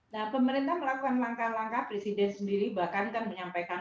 nah pemerintah melakukan langkah langkah presiden sendiri bahkan kan menyampaikan